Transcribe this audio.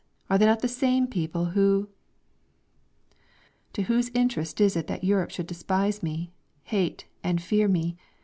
Are they not the same people who...?" "To whose interest is it that Europe should despise me, hate and fear me?"